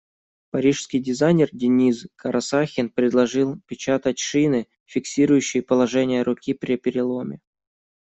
Парижский дизайнер Дениз Карасахин предложил печатать шины, фиксирующие положение руки при переломе.